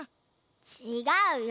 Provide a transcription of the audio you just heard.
ちがうよ。